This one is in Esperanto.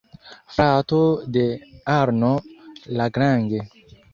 Frato de Arno Lagrange.